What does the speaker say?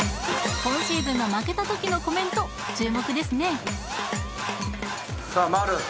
今シーズンの負けた時のコメント注目ですねさあマル。